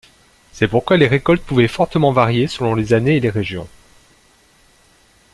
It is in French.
C'est pourquoi les récoltes pouvaient fortement varier selon les années et les régions.